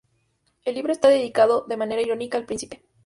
El libro está dedicado, de manera irónica, al príncipe.